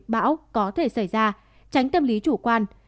bão có thể xảy ra tránh tâm lý chủ quan